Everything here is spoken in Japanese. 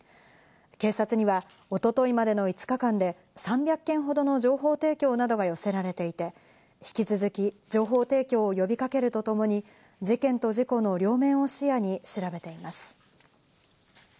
警察には一昨日までの５日間で３００件ほどの情報提供などが寄せられていて、引き続き、情報提供を呼びかけるとともに、事件と事故の両面を視野に調べています。